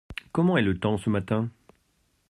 Comment est le temps ce matin ?